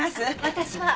私は。